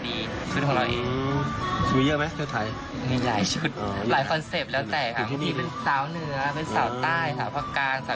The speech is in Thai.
ดูมึงหน้าเขาหน่อยครับ